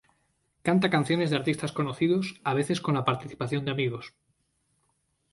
Canta canciones de artistas conocidos, a veces con la participación de amigos.